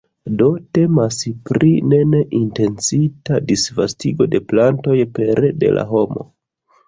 Do temas pri ne ne intencita disvastigo de plantoj pere de la homo.